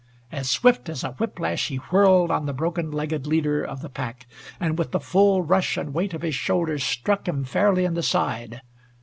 As swift as a whip lash he whirled on the broken legged leader of the pack and with the full rush and weight of his shoulders struck him fairly in the side.